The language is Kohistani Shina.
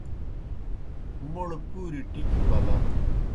موْڑ پُوریْ ٹِکیْ پلہ۔